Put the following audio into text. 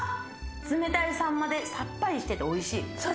冷たいサンマで、さっぱりしていておいしい。